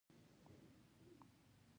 د پښتنو په کلتور کې د یتیم پالنه مهمه ده.